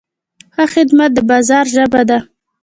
ښه خدمت د بازار ژبه ده.